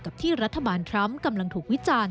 กับที่รัฐบาลทรัมป์กำลังถูกวิจารณ์